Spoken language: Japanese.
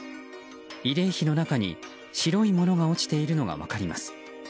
慰霊碑の中に、白いものが落ちているのが分かります。